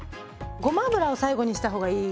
ごま油を最後にした方がいい。